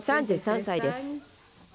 ３３歳です。